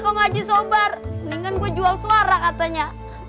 kemaji sobar mendingan gue jual suara katanya